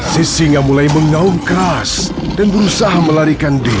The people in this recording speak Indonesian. sisinga mulai mengaum keras dan berusaha melarikan dia